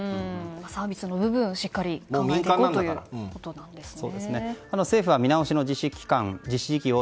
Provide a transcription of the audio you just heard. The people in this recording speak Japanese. サービスの部分をしっかり考えていこうということですね。